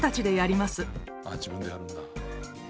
自分でやるんだ。